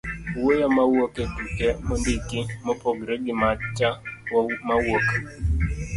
wuoyo mawuok e tuke mondiki, mopogore gi macha mawuok